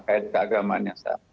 kaedah keagamaan yang sama